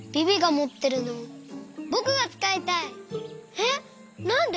えっなんで？